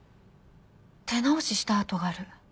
手直しした跡がある。